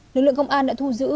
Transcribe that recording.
lực lượng công an đã thu giữ